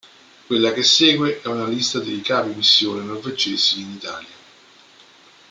Quella che segue è una lista degli capi missione norvegesi in Italia.